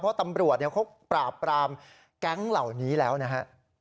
เพราะตำรวจเขาปราบปรามแก๊งเหล่านี้แล้วนะฮะ